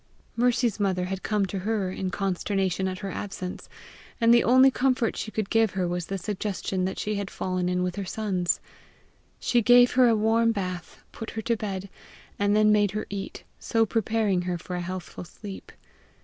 Mercy's mother had come to her in consternation at her absence, and the only comfort she could give her was the suggestion that she had fallen in with her sons. She gave her a warm bath, put her to bed, and then made her eat, so preparing her for a healthful sleep.